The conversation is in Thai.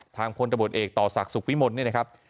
ทางคนตะบดเอกต่อศักดิ์สุขฟิมนต์เนี่ยนะครับ